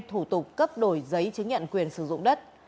thủ tục cấp đổi giấy chứng nhận quyền sử dụng đất